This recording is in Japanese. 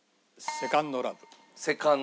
『セカンド・ラブ』。